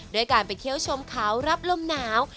ด้วยการไปเที่ยวชมเขารับลมหนาว